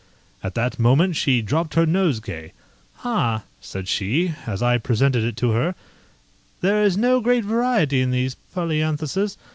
At that moment she dropped her nosegay. "Ah," said she, as I presented it to her, "there is no great variety in these polyanthuses.